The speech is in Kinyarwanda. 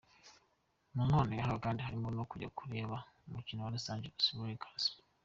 Mu mpano yahawe kandi harimo no kujya kureba umukino wa Los Angeles Lakers.